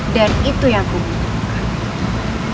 dan itu yang aku butuhkan